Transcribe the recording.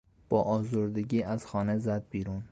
با آزردگی از خانه زد بیرون.